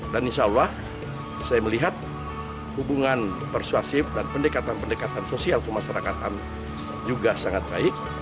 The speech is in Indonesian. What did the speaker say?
insya allah saya melihat hubungan persuasif dan pendekatan pendekatan sosial kemasyarakatan juga sangat baik